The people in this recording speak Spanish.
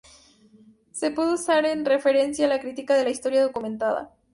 Se puede usar en referencia a la crítica de la historia documentada.